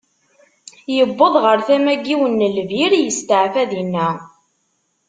Iwweḍ ɣer tama n yiwen n lbir, isteɛfa dinna.